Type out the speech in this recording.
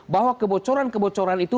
bahwa kebocoran kebocoran itu